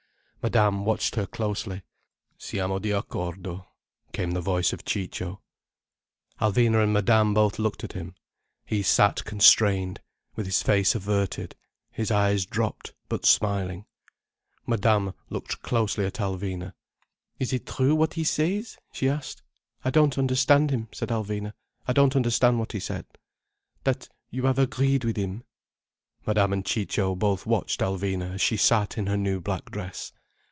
Madame watched her closely. "Siamo di accordo," came the voice of Ciccio. Alvina and Madame both looked at him. He sat constrained, with his face averted, his eyes dropped, but smiling. Madame looked closely at Alvina. "Is it true what he says?" she asked. "I don't understand him," said Alvina. "I don't understand what he said." "That you have agreed with him—" Madame and Ciccio both watched Alvina as she sat in her new black dress.